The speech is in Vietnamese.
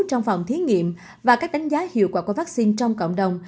trong phòng thí nghiệm và các đánh giá hiệu quả của vaccine trong cộng đồng